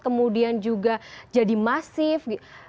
kemudian juga jadi masif